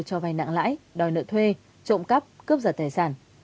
cho vay nặng lãi đòi nợ thuê trộm cắp cướp giật tài sản